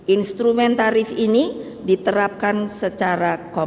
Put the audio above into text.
instrumen tarif ini diterapkan secara kompreh